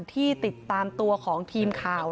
ที่ติดตามตัวของทีมข่าว